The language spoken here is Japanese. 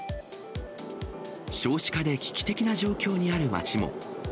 少子化で危機的な状況にある町も。